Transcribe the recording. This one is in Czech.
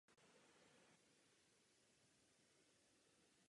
Proto jsem v tomto případě hlasoval proti.